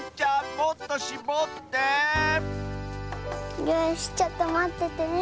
もっとしぼってよしちょっとまっててね。